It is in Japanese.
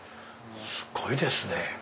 すごいですね！